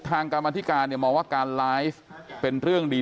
ออธิการมองว่าการไลฟ์เป็นเรื่องเลย